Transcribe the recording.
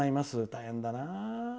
大変だな。